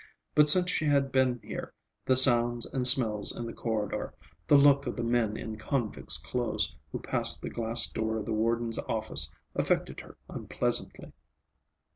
But since she had been here the sounds and smells in the corridor, the look of the men in convicts' clothes who passed the glass door of the warden's office, affected her unpleasantly.